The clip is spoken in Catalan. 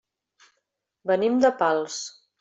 Venim de Pals.